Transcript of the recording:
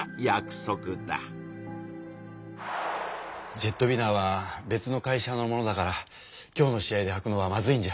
ジェットウィナーは別の会社のものだから今日の試合ではくのはまずいんじゃ？